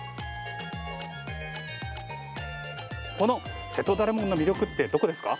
この瀬戸田レモンの魅力ってどこですか？